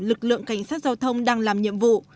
lực lượng cảnh sát giao thông đang làm nhiệm vụ